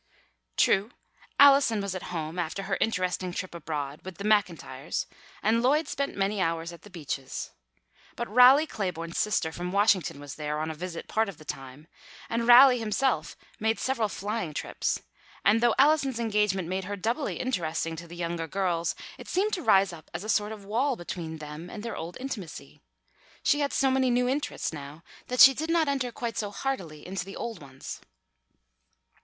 True, Allison was at home after her interesting trip abroad, with the MacIntyres, and Lloyd spent many hours at The Beeches. But Raleigh Claiborne's sister from Washington was there on a visit part of the time, and Raleigh himself made several flying trips, and although Allison's engagement made her doubly interesting to the younger girls, it seemed to rise up as a sort of wall between them and their old intimacy. She had so many new interests now that she did not enter quite so heartily into the old ones.